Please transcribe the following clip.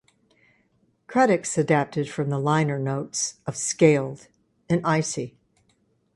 Credits adapted from the liner notes of "Scaled and Icy".